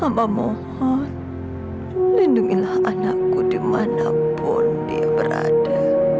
mama mohon lindungilah anakku dimanapun dia berada